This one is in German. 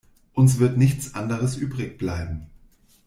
Uns wird nichts anderes übrig bleiben.